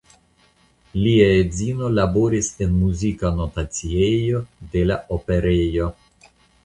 Lia edzino laboris en muzika notaciejo de la Operejo.